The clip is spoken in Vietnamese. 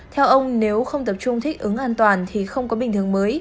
theo ông nếu không tập trung thích ứng an toàn thì không có bình thường mới